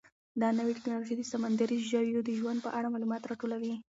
دا نوې ټیکنالوژي د سمندري ژویو د ژوند په اړه معلومات راټولوي.